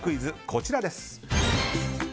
こちらです。